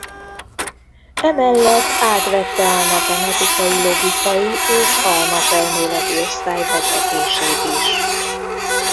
Emellett átvette a matematikai logikai és halmazelméleti osztály vezetését is.